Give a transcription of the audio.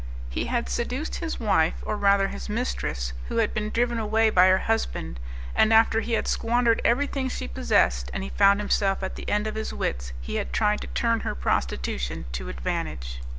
He had seduced his wife, or rather his mistress, who had been driven away by her husband, and after he had squandered everything she possessed, and he found himself at the end of his wits, he had tried to turn her prostitution to advantage.